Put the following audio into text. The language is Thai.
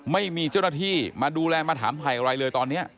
ไม่มีเจ้าหน้าที่มาดูแลมาถามถ่ายอะไรเลยตอนนี้